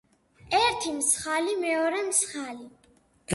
ერთი მსახლი, მეორე მსხალი.